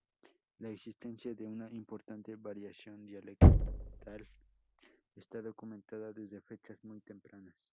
La existencia de una importante variación dialectal está documentada desde fechas muy tempranas.